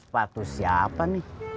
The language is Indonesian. patu siapa nih